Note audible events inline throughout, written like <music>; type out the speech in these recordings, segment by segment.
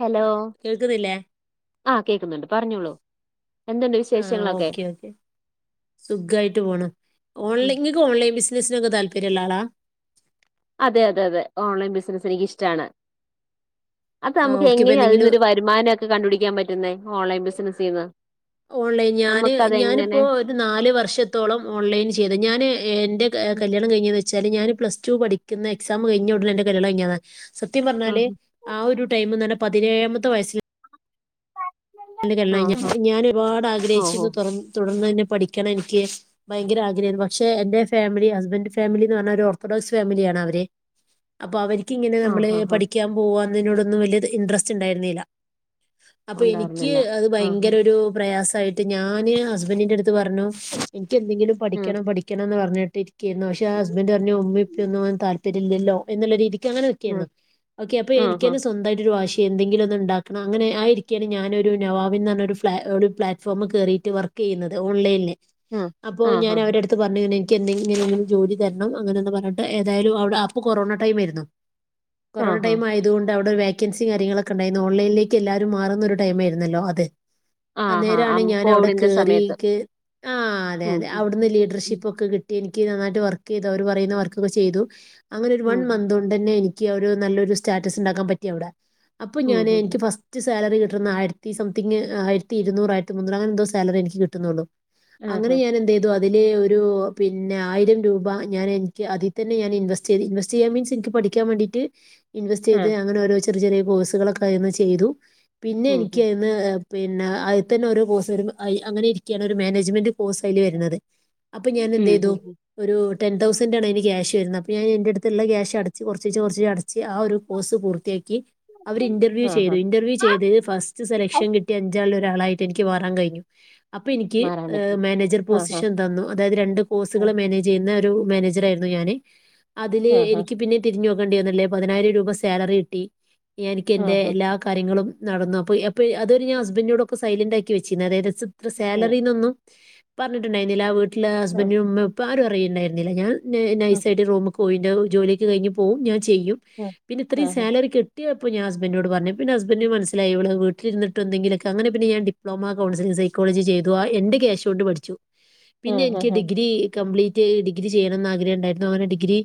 Hello കേൾക്കുന്നില്ലേ ആഹ് കേക്കുന്നുണ്ട് പറഞ്ഞോളൂ. എന്തുണ്ട് ആഹ് വിശേഷങ്ങളൊക്കെ ഓക്കെ ഓക്കെ. സുഖായിട്ട് പോണു ഓൺലൈ ഉം നിങ്ങക്ക് ഓൺലൈൻ ബിസിനസിനൊക്കെ താല്പര്യമുള്ള ആളാ? അതെ അതെ അതെ ഓൺലൈൻ ബിസിനസ്സ് എനിിക്കിഷ്ടാണ്. അത് ആഹ് നമുക്ക് ഓക്കെ ഇപ്പൊ എങ്ങനെയാ എന്തെങ്കിലും അതിനൊരു വരുമാനം ഒക്കെ കണ്ടുപിടിക്കാൻ പറ്റുന്നെ ഓൺലൈൻ ബിസിനസീന്ന് ഓൺലൈൻ ഞാന് നമുക്കതെങ്ങനെ ഞാനിപ്പോ ഒരു നാല് വർഷത്തോളം ഓൺലൈൻ ചെയ്ത് ഞാന് എന്റെ കല്യാണം കഴിഞ്ഞ് എന്ന് വച്ചാല് ഞാന് പ്ലസ് ടൂ പഠിക്കുന്ന എക്സാം കഴിഞ്ഞ ഉടനെഎന്റെ കല്യാ കഴിഞ്ഞതാ സത്യം ഉം പറഞ്ഞാല് ഉം ആ ഒരു ടൈം എന്ന് പറ്ഞ്ഞാ പതിനേഴാമത്തെ വയസില് ആഹാ ഞാൻ ഒരുപാട് ആഗ്രഹിച്ച് ഓഹോ തുടർന്ന് തന്നെ പഠിക്കണം എനിക്ക് ഭയങ്കര ആഗ്രഹായിരുന്നു പക്ഷെ എന്റെ ഫാമിലി ഹസ്ബന്റ് ഫാമിലി എന്ന് പറഞ്ഞാ ഒരു ഓർത്തഡോക്സ് ഫാമിലിയാ ണ് അവര് അപ്പൊ അവര് ക്ക് ഇങ്ങനെ നമ്മള് ആഹാഹാ പഠിക്കാൻ പോവു തിനോടൊന്നും വലിയ ഇൻട്രസ്റ്റ് ഉണ്ടായിരുന്നില്ല അപ്പൊ എനി ക്ക് ഉണ്ടായിരുന്നില്ല അത് ആഹാ ഭയങ്കര ഒരു പ്രയാസമായിട്ട് ഞാന് ഹസ്ബന്റിന്റെ അടുത്ത് പറഞ്ഞു ഇ ന്ക്ക് എന്തെങ്കിലും ഉം പഠിക്കണം പഠിക്കണം എന്ന് പറഞ്ഞിട്ടിരിക്കായിരുന്നു പക്ഷെ ഹസ്ബന്റ് പറഞ്ഞു ഉമ്മിം ഉപ്പിം ഒന്നും താൽ പര്യല്ലല്ലോ എന്നുള്ള രീതിക്ക് അങ്ങനൊക്കെ ഉം ആയിരുന്നു ഓക്കെ അപ്പൊ എനിക്ക് ആഹാ തന്നെ സ്വന്തമായിട്ടൊരു വാശി എന്തെങ്കിലും ഒന്ന് ഉണ്ടാക്കണം അങ്ങനെ ആയിരിക്കയാണ് ഞാനൊ രു നവാവിൻ എന്ന് പറഞ്ഞ ഒരു പ്ലാറ്റ്ഫോം കയറിയിട്ട് വർക്ക് ചെയ്യുന്നത് ഓൺലൈനില് ഉം അപ്പോ ആഹാ ഞാൻ അവരുടെ അടുത്ത് പറഞ്ഞീന് എനിക്കെന്തെങ്കിലും ജോലി തരണം അങ്ങനെന്ന് പറഞ്ഞിട്ട് ഏതായാലും അവിടെ അപ്പൊ കൊറോണ ടൈം ആയിരുന്നു കൊറോണ ആഹാ ടൈം ആയതോണ്ട് അവിടെ വേക്കൻസി കാര്യങ്ങളൊക്കെ ഉണ്ടായിരുന്നു ഓൺലൈനേക്ക് എല്ലാവരും മാറുന്നൊരു ടൈമേ ന്നല്ലോ അതെ ആഹാ അന്നേരാണ് അം ഞൻ അവ്ടെ കോവിഡിന്റെ സമയത്ത് കേറീക്ക് ആ. ആ അതെ ഉം അതെ അവിടുന്ന് ഉം ലീഡർഷിപ്പൊക്കെ കിട്ടി ട്ടി എനിക്ക് നന്നായിട്ട് വർക്കെയ്തു അവർ പറയുന്ന വർക്കൊക്കെ ചെയ്തു. അങ്ങനെ ഒരു ഉം വൺ മന്തോണ്ടെന്നെ എനിക്ക് ക്ക് നല്ലൊരു സ്റ്റാറ്റസ് ഉണ്ടാക്കാൻ പറ്റിയവിടെ. അപ്പൊ ഉം ഉം ഞാന് ഉം ഉം എനിക്ക് ഫസ്റ്റ് സാലറി കിട്ടുന്ന ആയിര ത്തി സംതിങ് ആയിരത്തി ഇരുന്നൂറ് ആയിരത്തി മൂന്നൂറ് അങ്ങനെന്തോ സാലറി എനിക്ക് കിട്ടുന്ന് പറഞ്ഞു. അങ്ങനെ ആഹാ ഞാൻ എന്തെയ്തു അതിൽ ഒരു പിന്നെ ആയിരം രൂപ ഞാൻ എനിക്ക് അതി തന്നെ ഞാൻ ഇൻവെസ്റ്റ് ചെയ്തു. ഇൻവെസ്റ്റയ്യാൻ മീൻസ് ഇൻക്ക് പഠിക്കാൻ വേണ്ടീട്ട് ഇൻവെസ്റ്റ് ആ ചെയ്ത്, അങ്ങനോരോ ചെറിയ ചെറിയ കോഴ്സുകളൊക്കെ അതിന്ന്ചെയ്തു പിന്നെ ഉം എനി ഉം പിന്നെ പിന്നെ അയ്തന്നെ ഓരോ കോഴ്സരും, അങ്ങനെ ഇരിക്കാണ് ഒരു മാനേജ്മെന്റ് കോസയ്‌ല് വരുന്നത്. അപ്പൊ ഉം ഞാനെന്ത്യ്തു ഉം ഒരു ടെൻ തൗസൻ്റാണയ്ന് ക്യാശ് വരുന്നത്. അപ്പോ ഞാ എൻ്റെടുത്തുള്ള ക്യാശടച്ച് കൊറച്ചിച്ചെ കൊറച്ചീച്ചടച്ച് ആ ഒരു കോഴ്സ് പൂർത്തിയാ ക്കി അവര്ന്റർവ്യു ചെയ്ത്. ആഹ് ഇന്റർവ്യൂ ചെയ്ത് ഫസ്റ്റ് ആഹ് സെലക്ഷൻ കിട്ടിയ അഞ്ചാള് ഒരാളായിട്ട് എനിക്ക് മാറാൻ കഴിഞ്ഞു. അപ്പൊ ഇനിക്ക് മാറാൻ പറ്റും മാനേജർ ആഹ് പോസിഷൻ തന്നു. അതായത് രണ്ട് കോഴ്സുകളെ ആഹ് മാനേജെയ്യുന്നെ ട്ടു മേനേജറായിരുന്നു ഞാന്. അതില് ആഹ് എനിക്ക് പിന്നെ തിരിഞോ ക്കേണ്ടിന്നില്ല പതിനായിരം രൂപ സാലറി കട്ടി. എനിക്ക് എൻ്റെ ആഹ് ആഹ് എല്ലാ കാര്യങ്ങളും നടന്നു. അപ്പോ എ പ്പ് അതെരെ ഞാൻ ഹസ്ബൻ്റിനോടൊക്കെ സൈലന്റ് ആക്കി വെച്ചിരുന്നു. അതായത് സ് ഇത്ര സാലറീന്നൊന്നു പറഞ്ഞിട്ടുണ്ടായിരുന്നില്ല, വീട്ടിലെ ആഹ് ഹസ്ബൻഡും ഉമ്മ ഉപ്പെ ആരു അറയിണ്ടായിരുന്നില്ല. ഞാൻ നൈസായിട്ട് റൂമ് ക്കോയി ഞാ ജോലിയൊക്ക കഴിഞ്ഞ് പോവും. ഞാൻ ചെയ്യും, ആഹ് പിന്നെ ഇത്രേ ആഹ് ആഹ് സാലറി കെട്ടി പ്പോ ഞൻ ഹസ്ൻ്റിനോട് പറഞ് പിന്നെ ഹസ്ബനൻ്റ്ന് മസ്സിലായി ഇവള് വീ ലിരുന്നിട്ടെന്തെങ്കിലൊക്കെ അങ്ങെനെ പിന്നെ ഞൻ ഡിപ്ലോമ കൗൺസിലിങ്ങ് സൈക്കോളജി ചെയ്തു. ആ എന്റെ കേശോണ്ട് പഠിച്ചു. പിന്നെ എനിക്ക് ആഹ് ആഹ് ഡിഗ്രി കംപ്ലീറ്റ് റ്റ് ഡിഗ്രി ചെയ്യണമെന്നാഗ്രഹ ണ്ടായിരുന്നു, അങ്ങനെ ഡിഗ്രി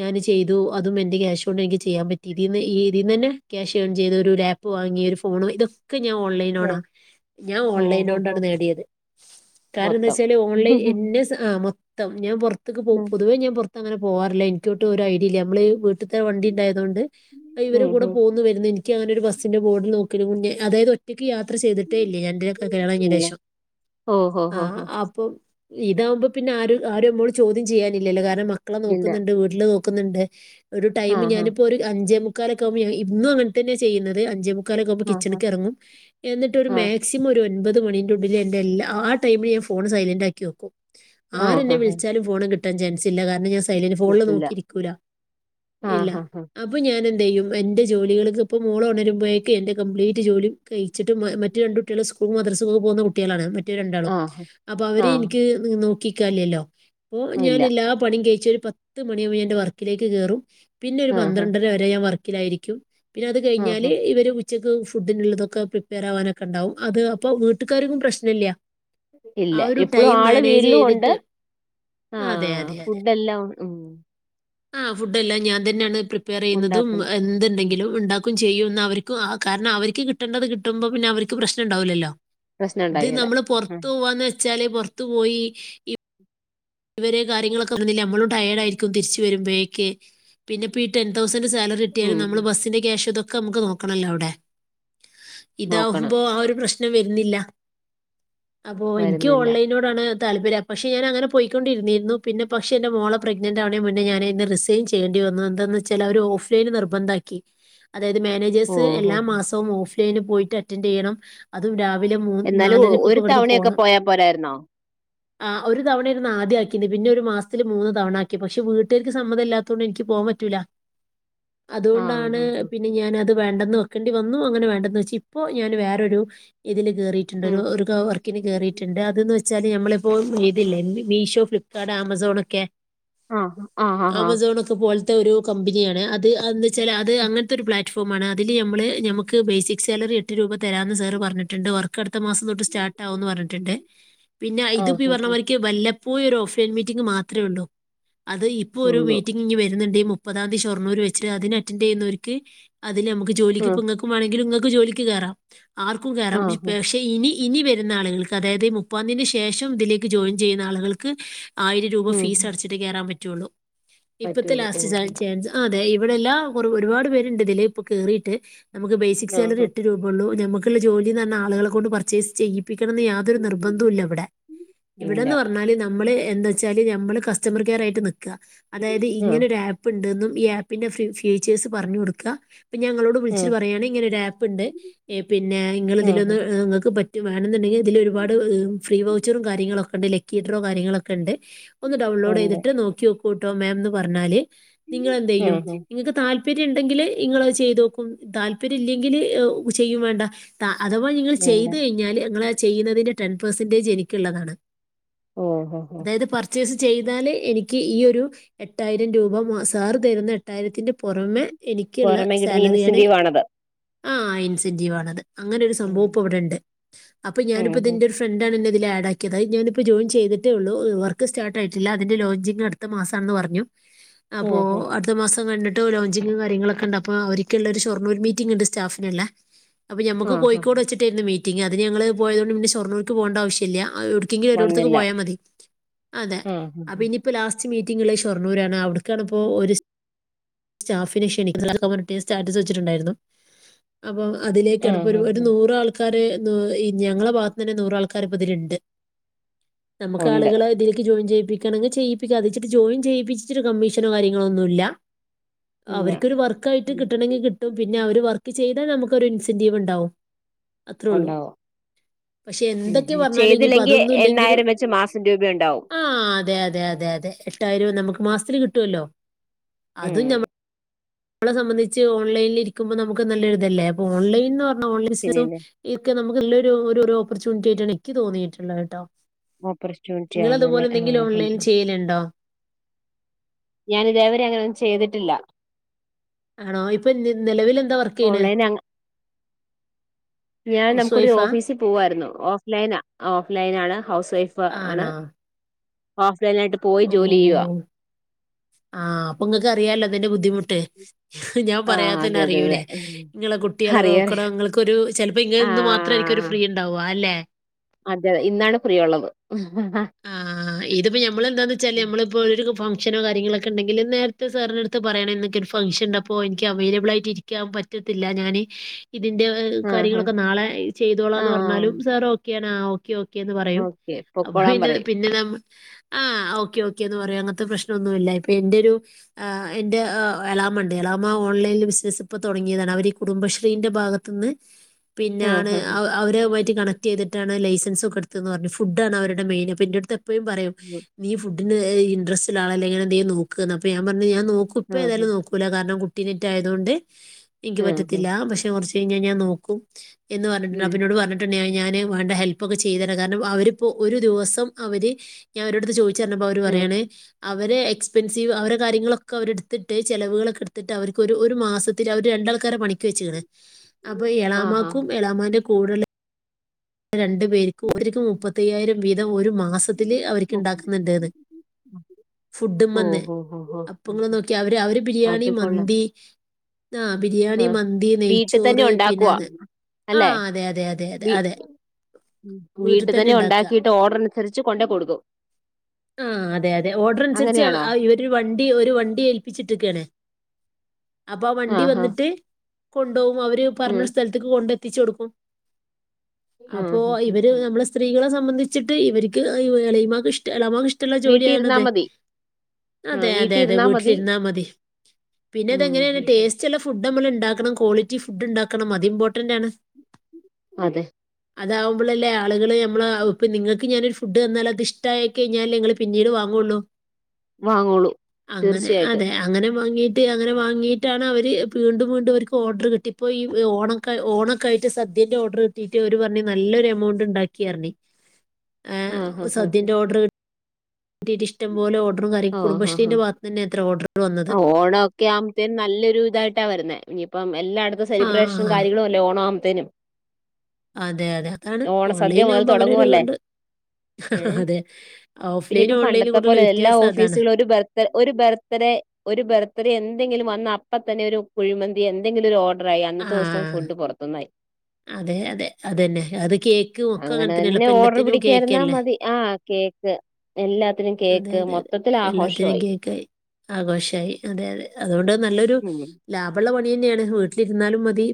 ഞാന് ചെയ്തു അതും എന്റെ കോശോണ്ട് എനിക്ക് ചെയ്യാൻ പറ്റി. ത് ഇന്ന് ഇ ഇതിന്നന്നെ ക്യാഷ് ഏൺ ചെയ്തു, ഒരു ലാപ്പ് വാങ്ങി, ഒരു ഫോൺ ഇതൊ ക്കെ ഞാൻ ഓൺലൈനോണാ ഞാൻ ഓഹ് ഓഹ് ഓൺലൈനോണ്ടാണ് നേടിയത്. കാരണം മൊത്തം എന്താച്ചാല് ഓൺലൈൻ ഉം എന്നെ സ അ മൊ ത്തം ഞാൻ പുറത്തക്ക് പൊതുവേ ഞാൻ പുറത്തങ്ങനെ പോവാറില്ല. എനിക്കൊട്ടു ഒരു ഐഡില്ല. നമ്മള് വീ, ട്ടുത്തെ വണ്ടി ഉണ്ടായതോണ്ട് ഡൈവറെ ഉം കൂടെ ഉം. പോകുന്നു വരുന്നു, എനിക്കങ്ങനെ ഒരു ബസ്സിന്റെ ബോർഡ് നോക്കലുമുന്നേ അതായത് ഒറ്റക്ക് യാത്ര ചെയ്തിട്ടേ ഇല്ലേ ഞാൻ്റെ കല്യണ ഇല്ല കഴിഞ്ഞേൻ്റേഷം. ഓഹ് ആ ഓഹ് ഓഹ് അപ്പൊ ഇതവുമ്പോ പിന്നെ ആരും ആരും നമ്മോട് ചോദ്യം ചെയ്യാനില്ലല്ലോ? കാരണം മക്കളെ ഇല്ല നോക്കുന്നുണ്ട് വീട്ടില് നോക്കുന്നുണ്ട്. ഒരു ടൈം ആഹ് ഞാനിപ്പൊരു അഞ്ചേ മുക്കാലൊക്കാകുമ്പോ ഞാൻ ഇന്നും അങ്ങനെ തന്നെ ചെയ്യുന്നത് അഞ്ചേ മുക്കാലക്കാകുമ്പോ കിച്ചണ് ആഹ് റങ്ങും എന്നിട്ടൊരു ആഹ് മാക്സിമം ഒര് ഒൻപത് മണിന്റെ ഉള്ളിൽ എന്റെ എല്ലാ ആ ടൈമിൽ ഞാൻ ഫോൺ സൈലൻ്റാക്കി വെക്കും. ആഹ് ആരെന്നെ ആഹ് വിളിച്ചാലും ഫോണ് കിട്ടാൻ ചാൻസില്ല കാരണം ഞാ ല ഫോണിൽ കിട്ടില്ല നോക്കിരിക്കൂല്ല ഇല്ല ആഹ് ആഹ് അപ്പൊ ഞാനെൻ യും എന്റെ ജോലികൾക്ക് ഇപ്പം മോളൊരുമ്പഴേക്ക് എന്റെ കംപ്ലീറ്റ് റ്റ് ജോ ലിം കഴിച്ചിട്ട് മറ്റെ രണ്ട് കുട്ടികള് സ്കൂൾക്ക് മദ്രസൊക്കൊക്കെ പോകുന്ന കുട്ടികളാണ്. മ റ്റേ രണ്ടാളും ആഹ് അപ്പൊ അവരെ ആഹ് ഇൻക്ക് നോക്കിക്കാല്ലല്ലോ, പ്പൊ ഞാൻ ഇല്ല എല്ലാ പണിം കഴിഞ്ഞി ച്ചൊരു പത്ത് മണിയാവുമ്പോ ഞാന്റെ വർക്കിലേക്ക് കേറും. പിന്നെ ഒരു ആഹ് പന്ത്രണ്ടര വരെ ഞാൻ വർക്കിലായിരിക്കും. വർക്കിലായിരിക്കും പിന്നെ അത് കഴിഞ്ഞാൽ ആഹ് ഇവർ ഉച്ചക്ക് ഫുഡ്ഡിനുള്ളതൊക്കെ പ്രിപ്പയർ ആവാനൊക്കെണ്ടാവും. അത് അപ്പൊ വീട്ടുകാർക്കു പ്രശ്നല്ല. ഇല്ല എപ്പളും ആള് വീട്ടിലൂണ്ട്, ചെയ്തിട്ട് ആ അതെ അതെ അതെ ഫുഡ്ഡെല്ലാം ഉം. ആ ഫുഡ്ഡെല്ല ഞാൻ തന്നെണ് പ്രിപ്പയറെയ്യുന്നതും ഉണ്ടാക്കണം ഉം എന്തുണ്ടെങ്കിലും ഉണ്ട ക്കും ചെയ്യും ന്നവർക്ക് ആ കാരണം അവർക്ക് കിട്ടേണ്ടത് കിട്ടുമ്പോ പിന്നവർക്ക് പ്രശ്നണ്ടാവൂല്ലല്ലോ. പ്രശ്നം ഇത് ഉണ്ടായേല നമ്മള് ഉം പൊറത്തോവാന്ന് വെച്ചാല് പൊറത്തു പോയി ഇപ്പ് ഇവരെ കാര്യങ്ങളൊക്കെ നടന്നില്ലേ, നമ്മളും ടയേഡായിരിക്കും തിരിച്ചു വരുബഴേക്ക് പിന്നെ പ്പി ഈ ടെൻ തൗസൻറ് സാലറിട്ടിയാലും ഉം നമ്മൾ ബസിന്റെ ക്യാഷ് ഇതൊക്കെ നമുക്ക് നോക്കണല്ലോ അവിടെ. നോക്കണം ഇതാവുമ്പോ ആ ഒരു പ്രശ്നം വരുന്നില്ല. അപ്പൊ എനിക്ക് വരുന്നില്ല ഓൺലൈനോടാണ് താല്പര്യം പക്ഷെ ഞാനങ്ങനെ പോയിക്കൊണ്ടിരുന്നു. പിന്നെ പക്ഷ എൻ്റെ മോളെ പ്രെഗ്ൻറ് ആവണെന്ന് മുന്നേ ഞാൻ അയിൽന്ന് റിസൈൻ ചെയ്യേണ്ടി വന്നു. എന്തെന്ന് ച്ചാൽ അവര് ഓഫ് ലൈനിൽ നിർബന്ധമാക്കി. അതായത് മാനേജേഴ്സ് ഓഹോ എല്ലാ മാസവും ഓഫ്‌ലൈൻ പോയിട്ട്. അറ്റൻഡ് ചെയ്യണം. അതും മൂന്ന് എന്നാലും ഒ- നാലരക്കൊക്കെ ഒരു ഇവിന്ന് തവണയൊക്കെ പോണം പോയാ പോരായിരുന്നോ ആ ഒരു തവണ ആദ്യം ആക്കിന്ന് പിന്നെ ഒരു മാസത്തില് മൂന്ന് തവണ ആക്കി. പക്ഷെ വീട്ടുആർക് സമ്മതംല്ലാതോണ്ട് നിക്ക് പോവാൻ പറ്റൂല്ല. അതുകൊണ്ടാണ്. ആഹ് ആഹ് പിന്നെ ഞാനത് വേണ്ടെന്ന് വെക്കേണ്ടി വന്നു. അങ്ങനെ വേണ്ടന്ന് വെച്ച്. ഇപ്പോ ഞാൻ വേറൊരു ഇതില് കേറിയിട്ടുണ്ട് ഉം ഒരു വർക്കിന് കയറിയിണ്ട് അത് ന്നു വെച്ചാല്. <unintelligible> മീഷോ, ഫ്ലിപ്കാർട്ട്, ആമസോൺ, ഒക്കെ. ആ ആഹാ ആ പോലത്തെ ഒരു കമ്പനിയാണ് അത് അത് ന്നു വെച്ചാല് അത് അങ്ങനത്തെ ഒരു പ്ലാറ്റ്ഫോം ആണ്. അതിൽ നമ്മള് നമുക്ക് ബേസിക് സാലറി എട്ട് രുപ. തരാന്ന് സർ പറഞ്ഞിട്ടുണ്ട്. വർക്ക് അടുത്ത മാസം തൊട്ട് സ്റ്റാർട്ട് ആവുന്ന് പറഞ്ഞിട്ടുണ്ട്. പിന്നെ ആഹ് ആഹ് പോയി ഒരു ഓഫ്‌ലൈൻ മീറ്റിംഗ് മാത്രേള്ളൂ. അത് ഇപ്പോ ഒരു ഉള്ളൂ മീറ്റിങ്ങ്നി വരുന്നുണ്ട്. ഈ മു മുപ്പതാംതി ഷൊർണൂർ വച്ചിട്ട്. അതിന് അറ്റൻഡ് ചെയ്യുന്നോർക്ക് അത് നമുക്ക് ജോലിപ്പോ ആഹ് ഇങ്ങൾക്കും. വേണെങ്കി ജോലിക്ക് കയറാം. ആർക്കും കയറാം ആഹ് പക്ഷെ ഇനി ഇനി വരുന്ന ആളുകൾക്ക്. അതായത് മുപ്പാന്തിന് ശേഷം ഇതിലേക്ക് ജോയിൻ ചെയ്യുന്ന ആളുകൾക്ക്. ആയിരം രൂപ ഉം ഫീസ് ഉം. അടച്ചിട്ടേ കേയറാൻ പറ്റുള്ളൂ. ഇപ്പത്തെ പറ്റുള്ളൂ ലാസ്റ്റ് ഓഹ് <unintelligible> ഇവിടെ എല്ലാം ഒറ് ഒരുപാട് പേരുണ്ട്തില്. ഇപ്പൊ കേറീട്ട് നമുക്ക് ബേസിക് സാലറി ആഹ് എട്ട് രൂപേള്ളൂ. നക്ക് ജോലി തന്നെ ആളുകളെ കൊണ്ട് പർച്ചേസ് ചെയ്യി <unintelligible> യാതൊരു നിർബന്ധവും ഇല്ല ഇവിടെ ഇല്ല ഇവിടെന്ന് പറഞ്ഞാല് നമ്മള് എന്താച്ചാല് നമ്മള് കസ്റ്റമർ കെയർായിട്ട് ക അതായത് ആഹ് ഇങ്ങനെ ഒരു ആപ്പ്ണ്ട് ന്നും. ഈ ആപ്പിന്റെ ഫ്യു ഫ്യൂച്ചേഴ്സ് പറഞ്ഞു കൊടുക്ക. പ്പ ഞാൻ ഞങ്ങളോട് ഉം വിളിച്ചിട്ട് പറയാണ്. ഇങ്ങനെ ഒരു ആപ്പ്ണ്ട്. പിന്നെ ഇങ്ങള് ആഹ് ഇതിലൊന്ന് ങ്ങള്ക്ക് പററു വേണമെന്നുണ്ടെങ്കിൽ ഇതിൽ ഒരുപാട് ഫ്രീ വൗച്ചറും കാര്യങ്ങളും ഒകെണ്ട്. ലക്കി ഡ്രോ കാര്യങ്ങളൊക്കെ ഉണ്ട്. ഒന്ന് ഡൗൺലോഡ് ഉണ്ട് ചെയ്തിട്ട്. നോക്കിഓക്കൂ ട്ടോ മാംന്ന് പറഞ്ഞാല്. നിങ്ങൾ എന്ത് ചെയ്യും ആഹ് നിങ്ങൾക്ക് തൽ പിനെ ഉണ്ടെങ്കിൽ നിങ്ങൾ അത് ചെയ്തോക്കും. താല്പര്യമില്ലെങ്കിൽ ചെയ്യും വേണ്ട. ത അഥവാ നിങ്ങള് വേണ്ട ചെയ്ത് കഴിഞ്ഞാല് നിങ്ങള് ചെയ്യുന്നതിന്റെ ടെൻ പെർസെൻറേജ് എനിക്കുള്ളതാണ് ഓ ഹോ ഹോ ചെയ്താൽ എനിക്ക് ഈയൊരു എട്ടായിരം രൂപ. മാ സാർ തരുന്ന എട്ടായിരത്തിൻ്റെ പുറമെ എനിക്കുള്ള പുറമേ കിട്ടുന്ന സാലറിയാണ്. ഇൻസെന്റീവ് ആണത് ആ ഇൻസെൻ്റീവ് ആണത്. അങ്ങനെ ഒരു ഉം സംഭവം ഇപ്പോ അവിടെണ്ട്. അപ്പ ഉം ഞാനിപ്പ ഉം. തിന്റെ ഒരു ഫ്രണ്ട്ണ് ഇതിൽ ആഡാക്കിയത്. ഞാനിപ്പോ ജോയിൻ ചെയ്തിട്ടേ ഉള്ളൂ. വർക്ക് സ്റ്റാർട്ടായിട്ടില്ല. അതിൻ്റെ ലോഞ്ചിങ് അടുത്തമസാണെന്ന് പറഞ്ഞു. അപ്പൊ ഉം ഉം അടുത്ത മാസം കണ്ട് ലോഞ്ചിങ്ങും കാര്യങ്ങളൊക്കെ ണ്ട്. അപ്പൊ അവര്ക്ക്ള്ള ഒരു ഷൊർണൂർ മീറ്റിങ്ണ്ട്. സ്റ്റാഫിനുള്ള. അപ്പൊ ഞമ്മക്ക് ആഹ് ആഹ് കോയിക്കോട് വെച്ചിട്ടായിരുന്ന് മീറ്റിങ്. അത് ഞങ്ങള് പോയപിന്നെ ഷൊർണൂർ ക്ക് പോവണ്ട ആവശ്യല്ല വന്നില്ല പോയാ മതി അതെ ആഹ് അപ്പൊ ഇനിപ്പോ ലാസ് മീറ്റിംഗ്ള്ളേ ഷൊർണൂർ ആണ് അവിടേക്കാണിപ്പോ സ്റ്റാഫിനെ ക്ഷണിക്കാനൊക്കെ പറഞ്ഞിട്ട് സ്റ്റാറ്റസ് വെച്ചിട്ടുണ്ടായിരുന്നു. അപ്പൊ അതിലേക്കാണ് ഇപ്പൊ ആഹ് ഒരു ആഹ് നൂറാൾക്കാര്. നൂ ഞങ്ങളുടെ ഭാഗത്തുന്നെന്നെ നൂറാൾക്കാര് ഇപ്പോത്തില്ണ്ട്. നമുക്ക് ഉണ്ട് ആളുകളെ അതിലേക്ക് ജോയിൻ ചെ ചെയ്യിപികണമെങ്കിൽ ചെയ്യിപ്പിക്കാൻ ജോയിൻ ചെയ്യിപ്പിച്ചിട്ട് കമ്മീഷനും. കാര്യങ്ങളൊന്നും ഇല്ല. ഇല്ല അവർക്കൊരു വർക്ക് ആയിട്ട് ഉം. കിട്ടണമെങ്കിൽ കിട്ടും. പിന്നെ അവര് വർക്ക് ചെയ്താ നമുക്കൊരു ഇൻസെന്റീവ് ഉണ്ടാവും. അത്രോള്ളു ഉണ്ടാവും പക്ഷെ ഉം എന്തൊക്കെ ഉം പറഞ്ഞാലും ഇനിപ്പോ ചെയ്തില്ലെങ്കി എണ്ണായിരം വെച്ച് മാസം രൂപയുണ്ടാവും. ആ അതെ അതെ അതെ അതെ എട്ടായിരം നമുക്ക് മാസത്തില് കിട്ടുവല്ലോ ഉം അതും നമ്മള സംബന്ധിച്ച് ഓൺലൈനിൽ ഇരിക്കുമ്പോ നമുക്ക് നല്ലൊരിതല്ലേ അപ്പൊ ഓൺൈന്ന് പറഞ്ഞ പിന്നെല്ലേ <unintelligible> നമുക്ക് ഇല്ലൊരു ഒരു ഒരു ഓപ്പർച്യൂണിറ്റി ആയിട്ടാണ് എനിക്ക് തോന്നിയിട്ടുള്ളത് കേട്ടോ. ഓപ്പർച്യൂണിറ്റി നിങ്ങളതുപോലെ ആണല്ലേ എന്തെങ്കിലും ആഹ് ഓൺലൈൻ ചെയ്യലുണ്ടോ? ഞാനിതെവരെ അങ്ങനോന്നും ചെയ്ത്ട്ടില്ല ആണോ ഇപ്പൊ ന് നിലവിലെന്താ വർക്കെയ്യ്ണെ ഓൺലൈൻ അങ്ങ ഞാൻ നമുക്കൊരു ഓഫീസിൽ പോവായിരുന്നു ഓഫ്‌ലൈന ഓഫ്‌ലൈൻ ആണ് ഹൗസ് വൈഫ് ആണ്. <inaudible> ഓഫ്‌ലൈൻ ആയിട്ട് പോയി ജോലി ചെയ്യുവാ. ആഹ് അപ്പൊ ഇങ്ങക്ക് അറിയാലോ അതിന്റെ ബുദ്ധിമുട്ട്. ഞാൻ ആഹ് പറയാതെ തന്നെ അതെ അതെ അതെ അറിയൂലേ ഇങ്ങളെ കുട്ട്യാളെ അറിയാ അറിയാ നോക്കണം ഇങ്ങൾക്കൊരു ചെലപ്പോ ഇങ്ങളിനിന്ന് മാത്രയി ക്ക്‌രു ആഹ് ഫ്രീണ്ടാവും അല്ലെ അതെ ഇന്നാണ് ഫ്രീ ഉള്ളത്. ആഹ് ഇത്പ്പോ നമ്മളെന്താന്ന് വെച്ചാല് നമ്മളിപ്പോരു ഫഗ്‌ഷനോ കാര്യങ്ങളൊക്കെണ്ടെങ്കിൽ നേരത്തെ സാറിനട്ത്ത് പറയണം ഇന്നിക്കൊരു ഫംഗഷന്ണ്ടപ്പോ ഇന്ക്ക് അവൈലബിളായിട്ട് ഇരിക്കാൻ പറ്റ് ത്തില്ല ഞാന് ഇതിന്റെ ആഹ് കാര്യങ്ങളൊക്കെ നാളെ ആ ചെയ്തോളാന്ന് പറഞ്ഞാലും സേറ് ഓക്കെണാ ഓ ഓക്കെ ഓക്കേന്ന് പറയും ഓക്കെ അപ്പൊ പൊക്കോളാൻ പിന്നെ പറയും പിന്നെ ന ആഹ് ഓക്കെ ഓക്കേന്ന് പറ അങ്ങനത്തെ പ്രശ്നം ഒന്നുമല്ലപ്പൊ എന്റെ ഒരു ആഹ് എന്റെ ആഹ് എളാമ്മ ഉണ്ട് എളാമ്മ ഓൺലൈനിൽ ബിസിനസ്സ് ഇപ്പ തുടങ്ങിയതാണ് അവര് ഈ കുടുംബശ്രീന്റെ ഭാഗത്ത് നിന്ന് ആ പിന്നെയാണ് ഹാ ഹാ അവരുമായിട്ട് കണക്ട് ചെയ്തിട്ടാണ് ലൈസൻസ് ഒക്കെ എടുത്തെന്നു പറഞ്ഞു ഫുഡ്‌ ആണ് അവരു വേണപ്പം എന്റടുത്തു എപ്പഴും പറയും നീ ഫുഡിന് ഇന്റെരെസ് ആളല്ല എങ്ങന എന്തെങ്കും നോക്ക എന്ന് ഞാൻ പറഞ്ഞു ഞാ നോക്ക ആ ഹാ ഇപ്പോയേതായാലും നോക്കൂല്ല കാരണം കുട്ടീെറ്റ ആയതുകൊണ്ട് ഇന്ക്ക് ആ ഹാ പറ്റത്തില്ല പക്ഷെ കൊറച്ച് കഴിഞ്ഞാ ഞാൻ നോക്കും എന്ന് പറഞ്ഞിട്ട്ണ്ട് ഉം അപ്പോ ഇന്നോട് പറഞ്ഞിട്ട് പിന്നെ ഞാന് വേണ്ട ഹെൽപ് ഒക്കെ ചെയ്തണ് കാരണം അവരിപ്പോ ഒരു ദിവസം അവര് ഞാൻ അവരടുത്ത് ചോദിച്ച ചെന്നപ്പോ അവര് ഉം പറയാണ് അവരെ എക്സ്പെൻസീവ് അവരേ കാര്യങ്ങളൊക്കെ അവര്ട്ത്തിട്ട് ചെലവുകളോക്കെട്ത്തിട്ട് അവര്ക്ക് ഒരു മാസത്തിൽ അവര് ര രണ്ട ആൾക്കാര പണിക്ക് വെച്ചണ് അപ്പൊ ആ ഹാ എളാമാക്കും എളാമാന്റെ കൂടെ ഉള്ള രണ്ടു പേരക്കും ഒരുക് മുപ്പത്തയ്യായിരം വീതം ഒരു മാസത്തില് പൊക്കോ അവർക്ക്ണ്ടാക്കുന്നുണ്ടെന്ന്. ഫുഡും ഓ വന്ന് ഹോ ഹോ ഹോ അപ്പങ്ങെ നോക്കി അവര് അവര് ബിരിയാണി അത് കൊള്ളാം മന്തി ആ ബിരിയാണി ആ മന്തി വീട്ടിൽ തന്നെ നെയ്ച്ചോറ് പിന്നെ ഉണ്ടാക്കുവാ അത് ആ അതെ അതെ അതെ അതെ അതെ വീട്ടിൽ വീട്ട് തന്നെ ഉണ്ടാക്കുക ഉണ്ടാക്കിട്ട് ഓഡറ്നന്സരിച്ച് കൊണ്ടേ കൊടുക്കും ആ അതെ അതെ ഓർഡർ അനുസരിച്ച് അങ്ങനെയാണോ ആ വണ്ടി ഒരു വണ്ടി ഏൽപ്പിച്ചിട്ടിരിക്കയാണ്. അപ്പൊ ആ വണ്ടി വന്നിട്ട് കൊണ്ടുപോകും അവര് ഉം പറഞ്ഞൊരു സ്ഥലത്തേക്ക് കൊണ്ട എത്തിച്ചു കൊടുക്കും ആ അപ്പോ ഹാ ഹാ. ഇവര് നമ്മെ സ്ത്രീകളെ സംബന്ധിച്ചിട്ട് ഇവർക്ക് അയ്യോ ഇളമാക്ക് ഇഷ്ട ഇളമാക്ക് ഇഷ്ടമുള്ള വീട്ടിൽ ഇരുന്നാ ജോലിയാണത്. മതി ആ അതെ അതെ അതെ ഇരുന്നാ വീട്ടിൽ മതി ഇരുന്നാൽമതി പിന്നെ ഉം ഇതെങ്ങനെയാണ് ഉം. ഉം. ടേസ്റ്റ്ള്ള ഫു ഫുഡമ്മൾ ഉണ്ടാക്കണം ക്വാളിറ്റി ഫുഡ് ഉണ്ടാക്കണം അതി ഇമ്പോർട്ടന്റ് ആണ്. അതെ അതാവുമ്പളല്ലേ ആള്കള് നമ്മള് ഇപ്പോ നിങ്ങക്ക് ഞാനൊരു ഫുഡ് തന്നാല് അത് ഇഷ്ട്ടായി കഴിഞ്ഞാലല്ലേ ഇങ്ങള് പിന്നീട് വാങ്ങോള്ളു വാങ്ങോളൂ അങ്ങനെ തീർച്ചയായിട്ടും അതെ അങ്ങനെ വാങ്ങീട്ട് അങ്ങനെ വാങ്ങീയിട്ടാണ് അവര് വീണ്ടും വീണ്ടും അവർക്ക് ഓർഡർ കിട്ടി ഇപ്പോ ഈ ഓണം ഓണൊക്കെ ആയിട്ട് സദ്യന്റെ ഓർഡർ കിട്ടീട്ട് അവര് പറഞ്ഞഞ് നല്ലൊരു എമൗണ്ട് ഉണ്ടാക്കിയായിരുന്ന ആഹ് ഹഹ് ഹഹ് ട്ടിട്ട് ഇഷ്ടംപോലെ ഓർഡറും കാര്യങ്ങളും കുടുംബശ്രീന്റെ ഭാഗത്ത് നിന്ന്ന്ന എത്ര ഓർഡറ ആ ഓണോക്കെ ആവുമ്പത്തേനും നല്ലൊരു ഇതായിട്ടാ വര്ന്നേ ഇനിയിപ്പം എല്ലായിടത്തും സെലിബ്രേഷനും ആഹ്. കാര്യങ്ങളും അല്ലേ ഓണാവുമ്പത്തേനും അതെ അതെ അതാണ് ഓൺലൈനാവുമ്പോ അങ്ങനോരു ഇതുണ്ട് ഉം അതെ. പിന്നെ ഓഫ്‌ലൈനും ഇപ്പോ ഓൺലൈനും പണ്ടത്തെ കൂടെയുള്ള പോലെല്ല എല്ലാ വ്യത്യാസം അതാണ്. ഓഫീസിലു ഒര് ബർത്ത് ഒരു ബർത്ത്ഡേ ഒരു ബെർത്ത്ഡേ എന്തെങ്കിലും വന്ന അപ്പ തന്നെ ഒരു കുഴിമന്തി എന്തെങ്കിലും ഒരു ഓ <unintelligible> അന്നത്തെ ദിവസം ആഹ്. ഫുഡ് പുറത്തുന്നായി. അതെ അതെ അതന്നെ അത് കേക്ക് ഒക്കെ അങ്ങനെ അങ്ങനെത്തന്നെയല്ല തന്നെ ഓർഡർ പല്ലത്തിനും കേക്ക് പിടിക്കായിരുന്നാ അല്ലേ മതി ആഹ് കേക്ക് എല്ലാത്തിനും കേക്ക് അതെ മൊത്തത്തിൽ ആഘോഷയി ആഘോഷമായി അതെ അതെ അതുകൊണ്ട് നല്ലൊരു ഉം ലാഭമുള്ള പണി തന്നെയാണ് വീട്ടിലിരുന്നാലും മതി